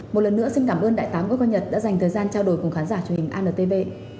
một lần nữa xin cảm ơn đại tá nguyễn quang nhật đã dành thời gian trao đổi cùng khán giả truyền hình antv